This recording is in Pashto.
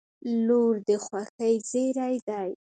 • لور د خوښۍ زېری دی.